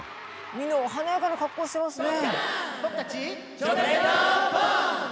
みんな華やかな格好してますね。